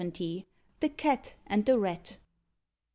THE CAT AND THE RAT.